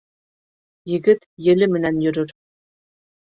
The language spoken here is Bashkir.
Егет еле менән йөрөр.